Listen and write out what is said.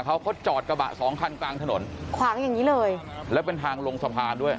เขาเขาจอดกระบะสองคันกลางถนนขวางอย่างงี้เลยแล้วเป็นทางลงสะพานด้วย